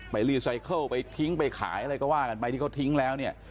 รีไซเคิลไปทิ้งไปขายอะไรก็ว่ากันไปที่เขาทิ้งแล้วเนี่ย